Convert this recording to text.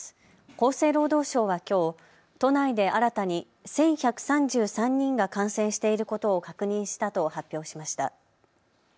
厚生労働省はきょう都内で新たに１１３３人が感染していることを確認したと発表しました。